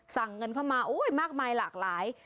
สั่งเงินเข้ามามากมายหลากหลาย